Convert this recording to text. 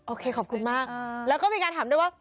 โอเคขอบคุณมากแล้วก็มีการถามด้วยว่า